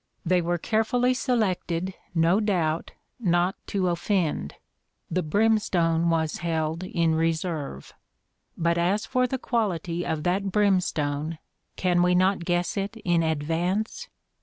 They were carefully selected, no doubt, not to offend: the brimstone was held in reserve. But as for the quality of that brimstone, can we not guess it in advance?